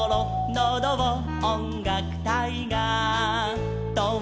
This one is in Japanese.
「のどをおんがくたいがとおります」